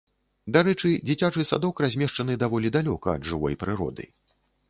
Дарэчы, дзіцячы садок размешчаны даволі далёка ад жывой прыроды.